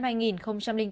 thị trường bắt động sản